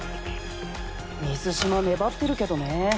水嶋粘ってるけどね。